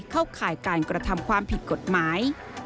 ข่ายการกระทำความผิดกฎหมาย